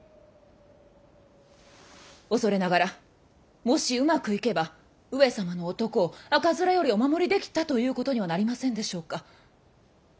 恐れながらもしうまくいけば上様の男を赤面よりお守りできたということにはなりませんでしょうか。